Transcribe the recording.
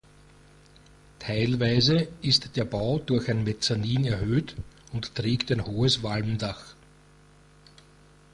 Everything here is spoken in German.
Teilweise ist der Bau durch ein Mezzanin erhöht und trägt ein hohes Walmdach.